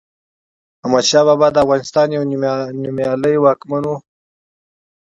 احمد شاه بابا دافغانستان يو نوميالي واکمن وه